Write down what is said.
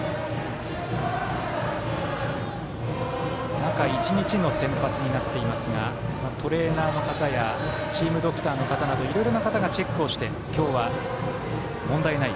中１日の先発になっていますがトレーナーの方やチームドクターの方いろいろな方がチェックをして今日は問題ない。